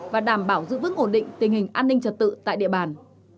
và đảm bảo giữ vững ổn định tình hình an ninh trật tự tại địa bàn